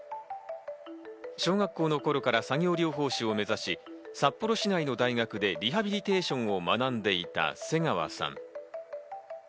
小学校の頃から作業療法士を目指し、札幌市内の大学でリハビリテーションを学んでいた瀬川さん。